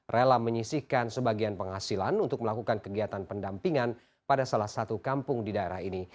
rela menyisihkan sebagian penghasilan untuk melakukan kegiatan pendampingan pada salah satu kampung di daerah ini